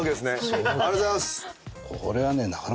ありがとうございます！